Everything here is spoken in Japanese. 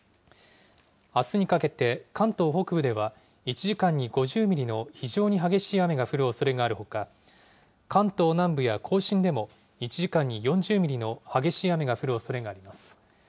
あすにかけて、関東北部では、１時間に５０ミリの非常に激しい雨が降るおそれがあるほか、関東南部や甲信でも、１時間に４０ミリの激しい雨が降るおそれがあります。